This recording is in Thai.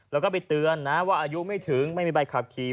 แล้วก็ไปเตือนนะว่าอายุไม่ถึงไม่มีใบขับขี่